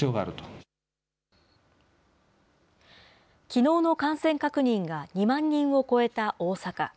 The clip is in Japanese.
きのうの感染確認が２万人を超えた大阪。